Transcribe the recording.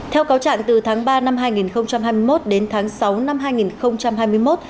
theo cáo trạng từ tháng ba năm hai nghìn hai mươi một đến tháng sáu năm hai nghìn hai mươi một